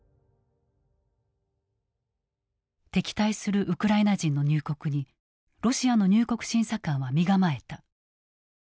敵対するウクライナ人の入国にロシアの入国審査官は身構えた。